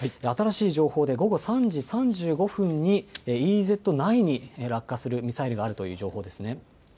新しい情報で午後３時３５分にＥＥＺ内に落下するミサイルがあるという情報ですね。